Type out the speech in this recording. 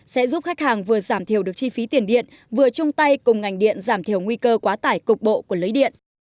sẽ giúp khách hàng vừa giảm thiểu được chi phí tiền điện vừa chung tay cùng ngành điện giảm thiểu nguy cơ quá tải cục bộ của lưới điện